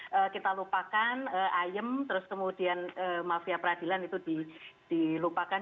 kemudian kita lupakan ayem terus kemudian mafia peradilan itu dilupakan